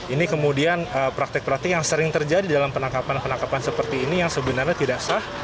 ini kemudian praktik praktik yang sering terjadi dalam penangkapan penangkapan seperti ini yang sebenarnya tidak sah